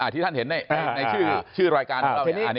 ที่ท่านเห็นในชื่อรายการของเรา